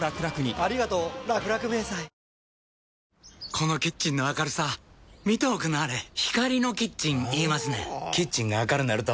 このキッチンの明るさ見ておくんなはれ光のキッチン言いますねんほぉキッチンが明るなると・・・